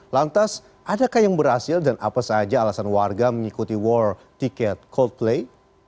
lantas adakah yang berhasil dan apa saja alasan warga mengikuti war tiket coldplay